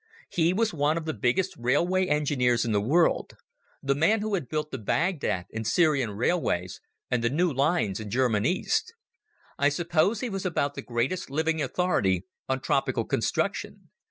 He was one of the biggest railway engineers in the world, the man who had built the Baghdad and Syrian railways, and the new lines in German East. I suppose he was about the greatest living authority on tropical construction.